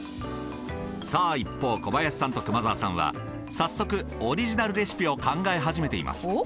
さあ一方小林さんと熊澤さんは早速オリジナルレシピを考え始めています。